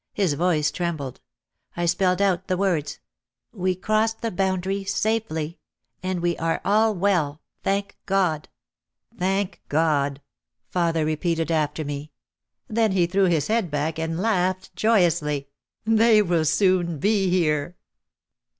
His voice trembled. I spelled out the words: "We crossed the boundary safely — and we are all well, thank God." "Thank God!" father repeated after me. Then he threw his head back and laughed joyously. "They will soon be here."